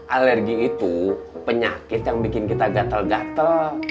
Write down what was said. alergi itu penyakit yang bikin kita gatel gatel